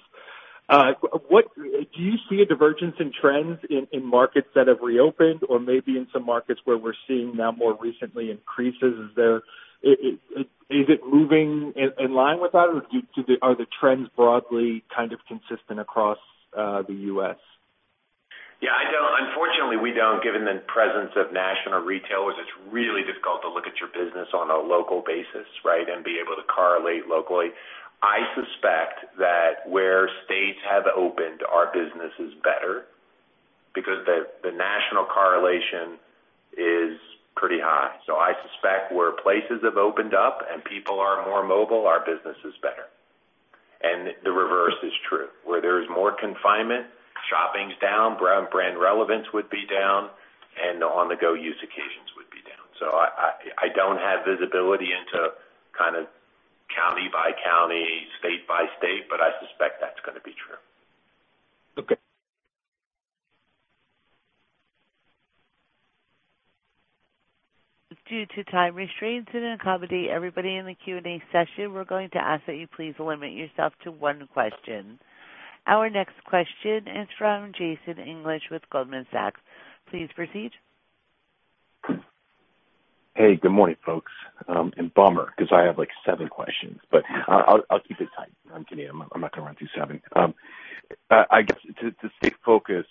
Do you see a divergence in trends in markets that have reopened or maybe in some markets where we're seeing now more recently increases? Is it moving in line with that or are the trends broadly kind of consistent across the U.S.? Unfortunately, we don't, given the presence of national retailers, it's really difficult to look at your business on a local basis, right, and be able to correlate locally. I suspect that where states have opened, our business is better because the national correlation is pretty high. I suspect where places have opened up and people are more mobile, our business is better. The reverse is true. Where there's more confinement, shopping's down, brand relevance would be down, and on-the-go use occasions would be down. I don't have visibility into kind of county by county, state by state, but I suspect that's gonna be true. Okay. Due to time restraints and to accommodate everybody in the Q&A session, we're going to ask that you please limit yourself to one question. Our next question is from Jason English with Goldman Sachs. Please proceed. Hey, good morning, folks. Bummer, because I have seven questions, but I'll keep it tight. I'm kidding. I'm not gonna run through seven. I guess to stay focused,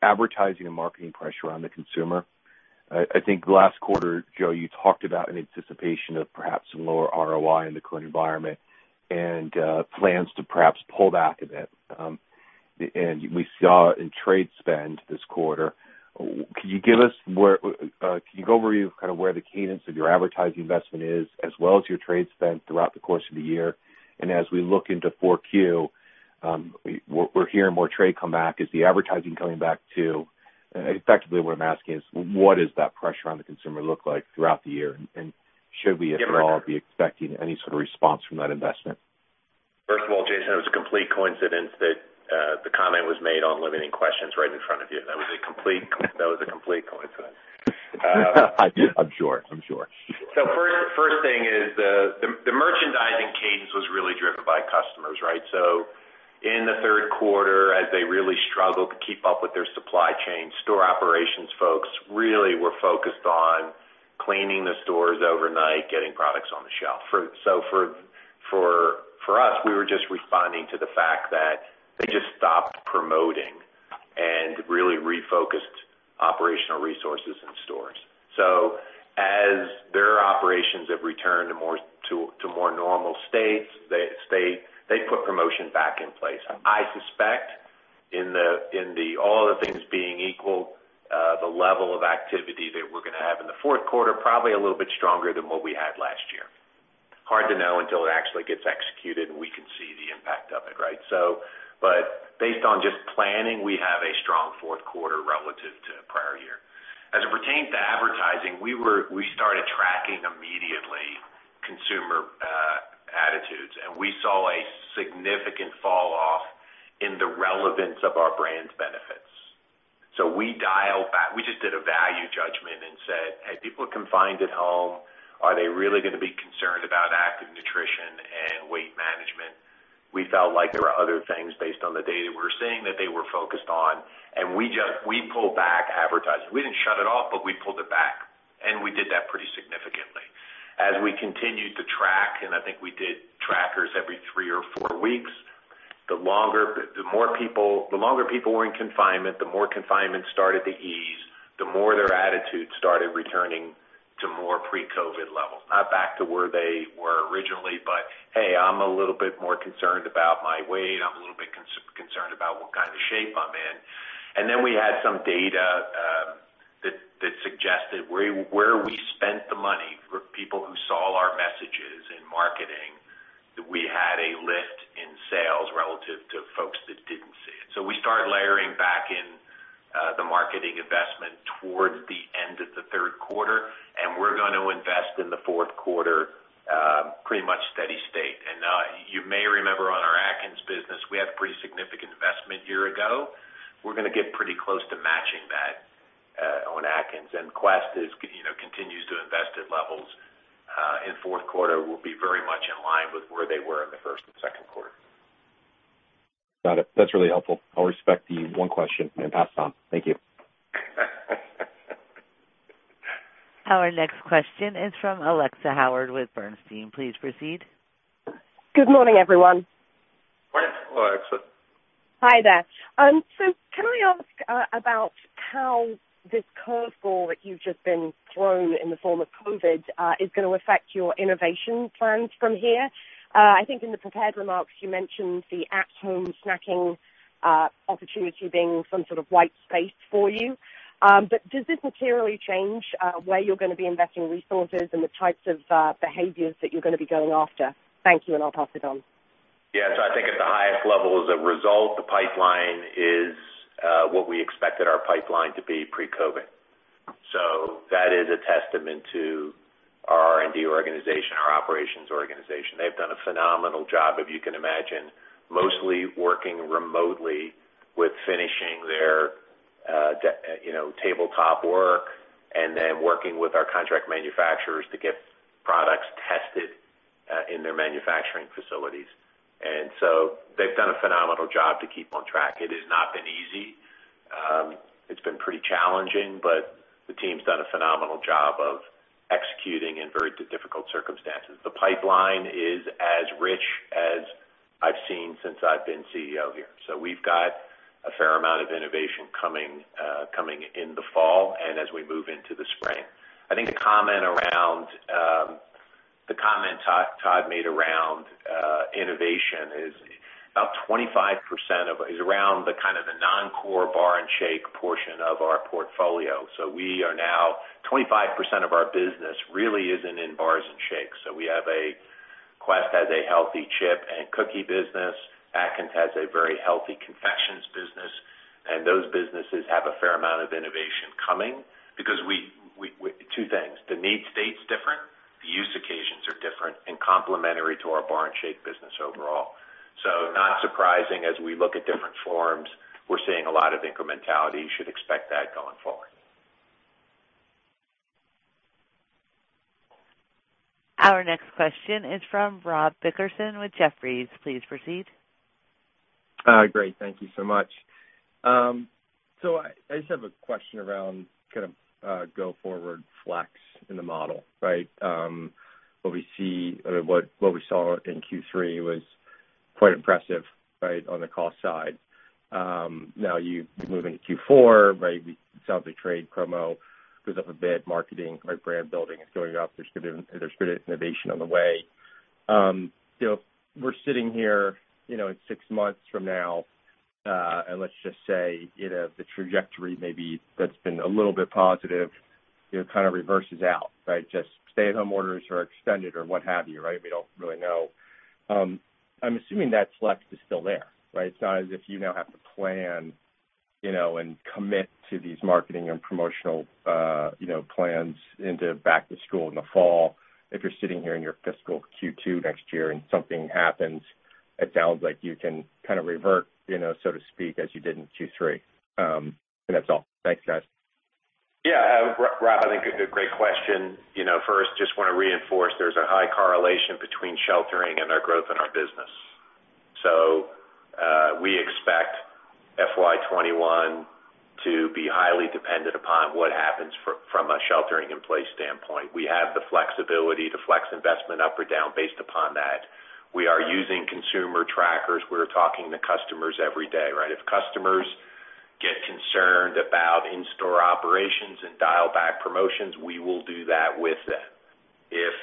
advertising and marketing pressure on the consumer, I think last quarter, Joe, you talked about an anticipation of perhaps some lower ROI in the current environment and plans to perhaps pull back a bit. We saw in trade spend this quarter. Can you go over kind of where the cadence of your advertising investment is as well as your trade spend throughout the course of the year? As we look into 4Q, we're hearing more trade come back. Is the advertising coming back, too? Effectively what I'm asking is, what does that pressure on the consumer look like throughout the year? Should we at all be expecting any sort of response from that investment? First of all, Jason, it was a complete coincidence that the comment was made on limiting questions right in front of you. That was a complete coincidence. I'm sure. First thing is the merchandising cadence was really driven by customers, right? In the third quarter, as they really struggled to keep up with their supply chain, store operations folks really were focused on cleaning the stores overnight, getting products on the shelf. For us, we were just responding to the fact that they just stopped promoting and really refocused operational resources in stores. As their operations have returned to more normal states, they put promotion back in place. I suspect in all other things being equal, the level of activity that we're going to have in the fourth quarter, probably a little bit stronger than what we had last year. Hard to know until it actually gets executed and we can see the impact of it, right? Based on just planning, we have a strong fourth quarter relative to prior year. As it pertains to advertising, we started tracking immediately consumer attitudes, and we saw a significant fall-off in the relevance of our brand's benefits. We dialed back. We just did a value judgment and said, "Hey, people are confined at home. Are they really going to be concerned about active nutrition and weight management?" We felt like there were other things based on the data we were seeing that they were focused on, and we pulled back advertising. We didn't shut it off, but we pulled it back. We did that pretty significantly. As we continued to track, and I think we did trackers every three or four weeks, the longer people were in confinement, the more confinement started to ease, the more their attitudes started returning to more pre-COVID levels. Not back to where they were originally, but, "Hey, I'm a little bit more concerned about my weight. I'm a little bit concerned about what kind of shape I'm in." Then we had some data that suggested where we spent the money for people who saw our messages in marketing, that we had a lift in sales relative to folks that didn't see it. We started layering back in the marketing investment towards the end of the third quarter, and we're going to invest in the fourth quarter pretty much steady state. Now you may remember on our Atkins business, we had pretty significant investment a year ago. We're going to get pretty close to matching that on Atkins. Quest continues to invest at levels. In fourth quarter, we'll be very much in line with where they were in the first and second quarter. Got it. That's really helpful. I'll respect the one question and pass it on. Thank you. Our next question is from Alexia Howard with Bernstein. Please proceed. Good morning, everyone. Morning, Alexia. Hi there. Can I ask about how this curve ball that you've just been thrown in the form of COVID is going to affect your innovation plans from here? I think in the prepared remarks you mentioned the at-home snacking opportunity being some sort of white space for you. Does this materially change where you're going to be investing resources and the types of behaviors that you're going to be going after? Thank you, and I'll pass it on. Yeah. I think at the highest level, as a result, the pipeline is what we expected our pipeline to be pre-COVID. That is a testament to our R&D organization, our operations organization. They've done a phenomenal job, if you can imagine, mostly working remotely with finishing their tabletop work and then working with our contract manufacturers to get products tested in their manufacturing facilities. They've done a phenomenal job to keep on track. It has not been easy. It's been pretty challenging. The team's done a phenomenal job of executing in very difficult circumstances. The pipeline is as rich as I've seen since I've been CEO here. We've got a fair amount of innovation coming in the fall and as we move into the spring. I think the comment Todd made around innovation is about 25% is around the non-core bar and shake portion of our portfolio. Now, 25% of our business really isn't in bars and shakes. Quest has a healthy chip and cookie business. Atkins has a very healthy confections business. Those businesses have a fair amount of innovation coming because two things, the need state's different, the use occasions are different and complementary to our bar and shake business overall. Not surprising, as we look at different forms, we're seeing a lot of incrementality. You should expect that going forward. Our next question is from Rob Dickerson with Jefferies. Please proceed. Great. Thank you so much. I just have a question around go forward flex in the model. Right? What we saw in Q3 was quite impressive on the cost side. Now you move into Q4. We saw the trade promo goes up a bit, marketing, our brand building is going up. There's good innovation on the way. We're sitting here six months from now, and let's just say the trajectory maybe that's been a little bit positive. It kind of reverses out, right? Just stay-at-home orders are extended or what have you, right? We don't really know. I'm assuming that flex is still there, right? It's not as if you now have to plan and commit to these marketing and promotional plans into back to school in the fall. If you're sitting here in your fiscal Q2 next year and something happens, it sounds like you can kind of revert, so to speak, as you did in Q3. That's all. Thanks, guys. Yeah, Rob, I think a great question. Just want to reinforce there's a high correlation between sheltering and our growth in our business. We expect FY 2021 to be highly dependent upon what happens from a sheltering in place standpoint. We have the flexibility to flex investment up or down based upon that. We are using consumer trackers. We're talking to customers every day, right? If customers get concerned about in-store operations and dial back promotions, we will do that with them. If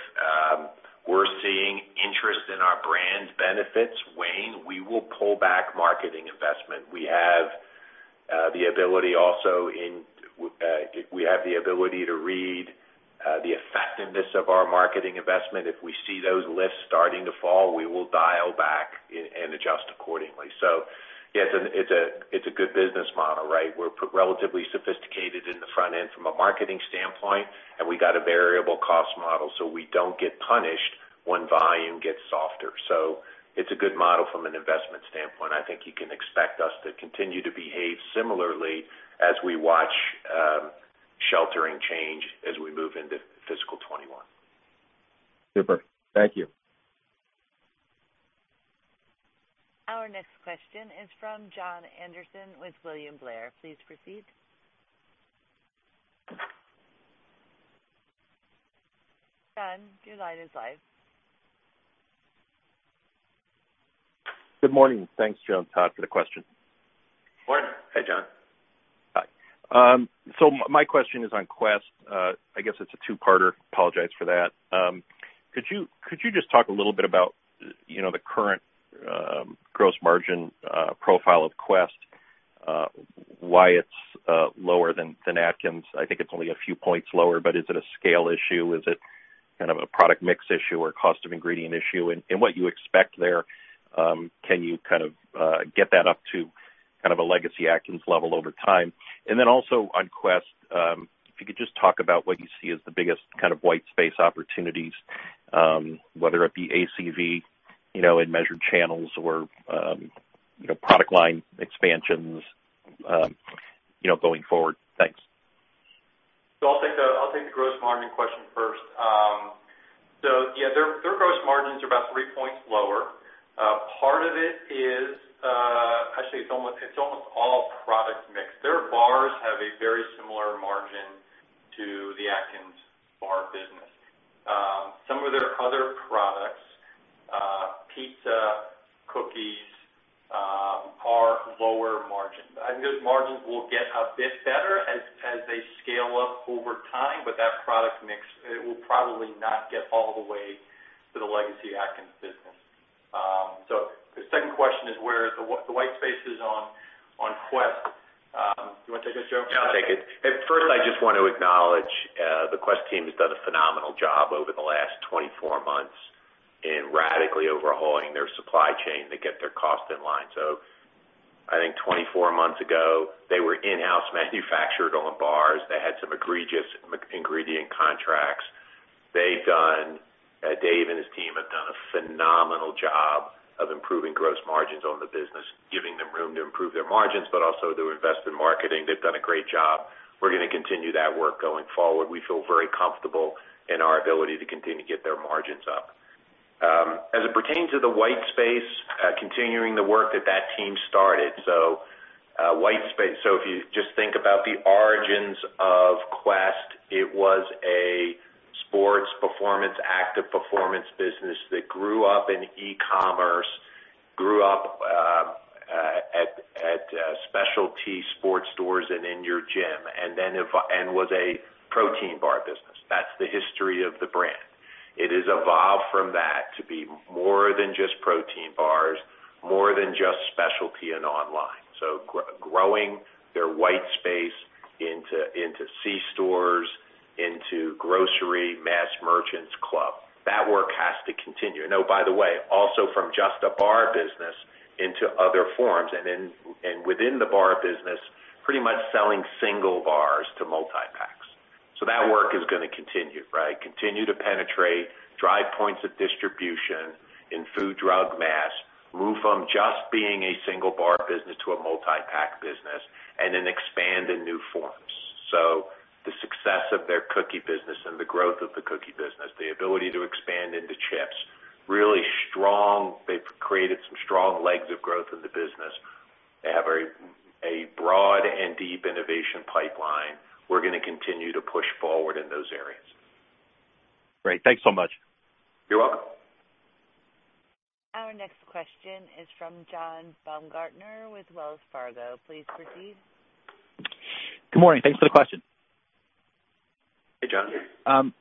we're seeing interest in our brand benefits wane, we will pull back marketing investment. We have the ability to read the effectiveness of our marketing investment. If we see those lifts starting to fall, we will dial back and adjust accordingly. Yes, it's a good business model, right? We're relatively sophisticated in the front end from a marketing standpoint, and we got a variable cost model, so we don't get punished when volume gets softer. It's a good model from an investment standpoint. I think you can expect us to continue to behave similarly as we watch sheltering change as we move into fiscal '21. Super. Thank you. Our next question is from Jon Andersen with William Blair. Please proceed. Jon, your line is live. Good morning. Thanks, Joe and Todd, for the question. Morning. Hi, Jon. Hi. My question is on Quest. I guess it's a two-parter. Apologize for that. Could you just talk a little bit about the current gross margin profile of Quest why it's lower than Atkins? I think it's only a few points lower, but is it a scale issue? Is it kind of a product mix issue or a cost of ingredient issue? What you expect there. Can you kind of get that up to kind of a Legacy Atkins level over time? Also on Quest, if you could just talk about what you see as the biggest kind of white space opportunities whether it be ACV in measured channels or product line expansions going forward. Thanks. I'll take the gross margin question first. Yeah, their gross margins are about three points lower. Part of it actually, it's almost all product mix. Their bars have a very similar margin to the Atkins bar business. Some of their other products, pizza, cookies, are lower margin. Those margins will get a bit better as they scale up over time, but that product mix, it will probably not get all the way to the Legacy Atkins business. The second question is, Where is the white spaces on Quest? Do you want to take this, Joe? Yeah, I'll take it. First, I just want to acknowledge the Quest team has done a phenomenal job over the last 24 months in radically overhauling their supply chain to get their cost in line. I think 24 months ago, they were in-house manufactured on bars. They had some egregious ingredient contracts. Dave and his team have done a phenomenal job of improving gross margins on the business, giving them room to improve their margins, but also to invest in marketing. They've done a great job. We're going to continue that work going forward. We feel very comfortable in our ability to continue to get their margins up. As it pertains to the white space continuing the work that team started. If you just think about the origins of Quest, it was a sports performance, active performance business that grew up in e-commerce, grew up at specialty sports stores and in your gym, and was a protein bar business. That's the history of the brand. It has evolved from that to be more than just protein bars, more than just specialty and online, growing their white space into c-stores, into grocery mass merchants club. That work has to continue. By the way, also from just a bar business into other forms, and within the bar business, pretty much selling single bars to multi-packs. That work is going to continue, right? Continue to penetrate, drive points of distribution in food, drug, mass, move from just being a single bar business to a multi-pack business, and then expand in new forms. The success of their cookie business and the growth of the cookie business, the ability to expand into chips, really strong. They've created some strong legs of growth in the business. They have a broad and deep innovation pipeline. We're going to continue to push forward in those areas. Great. Thanks so much. You're welcome. Our next question is from John Baumgartner with Wells Fargo. Please proceed. Good morning. Thanks for the question. Hey, John.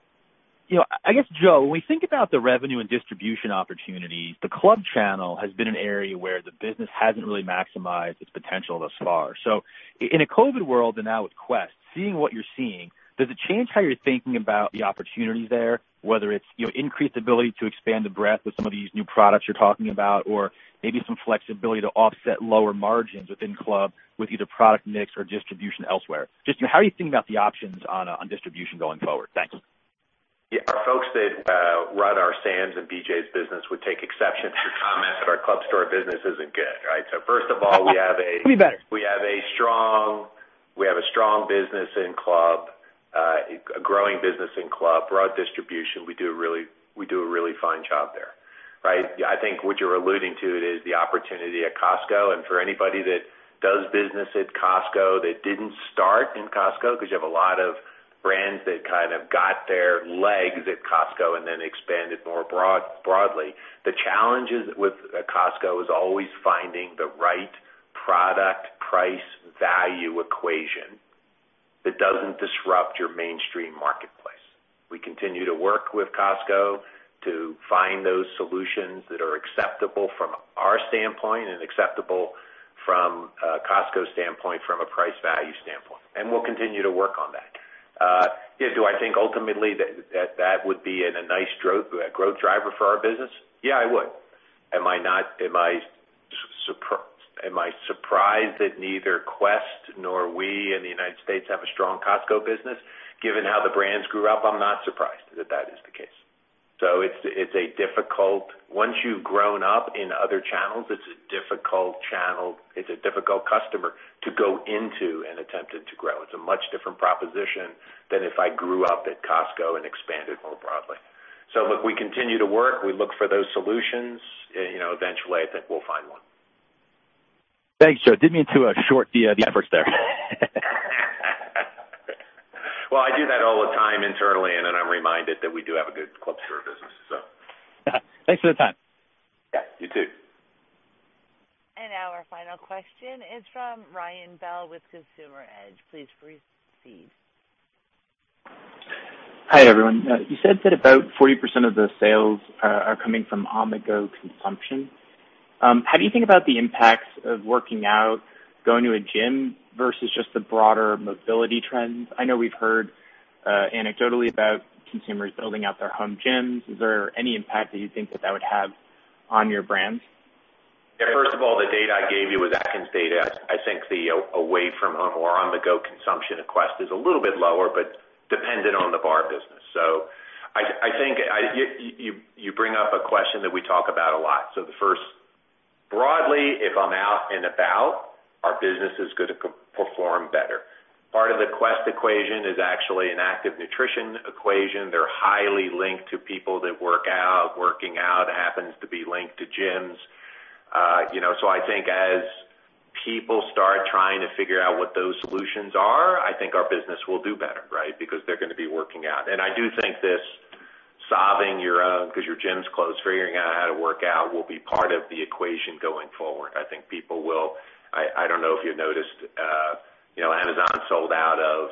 I guess, Joe, when we think about the revenue and distribution opportunities, the club channel has been an area where the business hasn't really maximized its potential thus far. In a COVID world and now with Quest, seeing what you're seeing, does it change how you're thinking about the opportunities there, whether it's increased ability to expand the breadth with some of these new products you're talking about or maybe some flexibility to offset lower margins within club with either product mix or distribution elsewhere? Just how are you thinking about the options on distribution going forward? Thanks. Yeah. Our folks that run our Sam's and BJ's business would take exception to comments that our club store business isn't good, right? First of all. Could be better. We have a strong business in club, a growing business in club, broad distribution. We do a really fine job there, right? I think what you're alluding to is the opportunity at Costco and for anybody that does business at Costco that didn't start in Costco, because you have a lot of brands that kind of got their legs at Costco and then expanded more broadly. The challenges with Costco is always finding the right product price value equation that doesn't disrupt your mainstream marketplace. We continue to work with Costco to find those solutions that are acceptable from our standpoint and acceptable from Costco's standpoint from a price value standpoint, and we'll continue to work on that. Do I think ultimately that would be a nice growth driver for our business? Yeah, I would. Am I surprised that neither Quest nor we in the United States have a strong Costco business? Given how the brands grew up, I'm not surprised that that is the case. Once you've grown up in other channels, it's a difficult customer to go into and attempt to grow. It's a much different proposition than if I grew up at Costco and expanded more broadly. Look, we continue to work. We look for those solutions. Eventually, I think we'll find one. Thanks, Joe. Didn't mean to short the efforts there. Well, I do that all the time internally, and then I'm reminded that we do have a good club store business. Thanks for the time. Yeah, you too. Now our final question is from Ryan Bell with Consumer Edge. Please proceed. Hi, everyone. You said that about 40% of the sales are coming from on-the-go consumption. How do you think about the impacts of working out, going to a gym versus just the broader mobility trends? I know we've heard anecdotally about consumers building out their home gyms. Is there any impact that you think that would have on your brands? First of all, the data I gave you was Atkins data. I think the away from home or on-the-go consumption of Quest is a little bit lower, but dependent on the bar business. I think you bring up a question that we talk about a lot. The first, broadly, if I'm out and about, our business is going to perform better. Part of the Quest equation is actually an active nutrition equation. They're highly linked to people that work out. Working out happens to be linked to gyms. I think as people start trying to figure out what those solutions are, I think our business will do better, right? Because they're going to be working out. I do think this solving your own, because your gym's closed, figuring out how to work out will be part of the equation going forward. I don't know if you noticed Amazon sold out of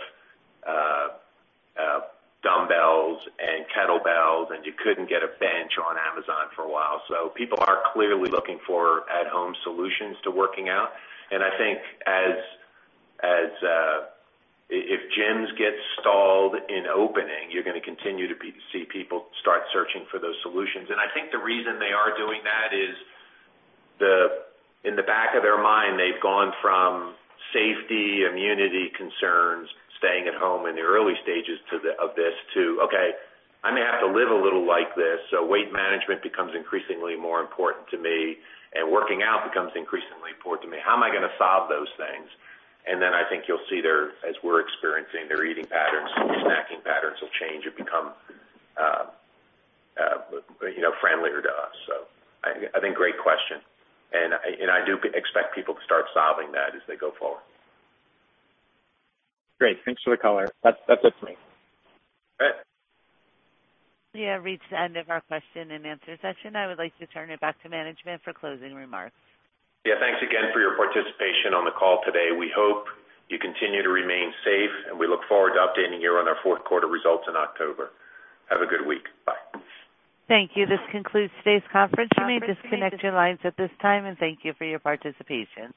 dumbbells and kettlebells, and you couldn't get a bench on Amazon for a while. People are clearly looking for at-home solutions to working out. I think if gyms get stalled in opening, you're going to continue to see people start searching for those solutions. I think the reason they are doing that is in the back of their mind, they've gone from safety, immunity concerns, staying at home in the early stages of this to, "Okay, I may have to live a little like this, so weight management becomes increasingly more important to me, and working out becomes increasingly important to me. How am I going to solve those things?" I think you'll see as we're experiencing, their eating patterns and their snacking patterns will change and become friendlier to us. I think great question, and I do expect people to start solving that as they go forward. Great. Thanks for the color. That's it for me. All right. We have reached the end of our question and answer session. I would like to turn it back to management for closing remarks. Yeah. Thanks again for your participation on the call today. We hope you continue to remain safe, and we look forward to updating you on our fourth quarter results in October. Have a good week. Bye. Thank you. This concludes today's conference. You may disconnect your lines at this time, and thank you for your participation.